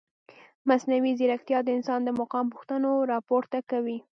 مصنوعي ځیرکتیا د انسان د مقام پوښتنه راپورته کوي.